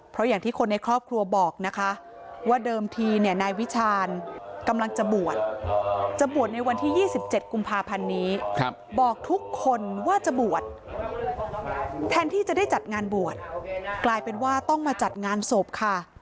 เพราะอย่างที่คนในครอบครัวบอกนะคะว่าเดิมทีเนี่ยนายวิชาญกำลังจะบวชจะบวชในวันที่๒๗กุมภาพันธ์นี้บอกทุกคนว่าจะบวชแทนที่จะได้จัดงานบวชกลายเป็นว่าต้องมาจัดงานศพค่ะ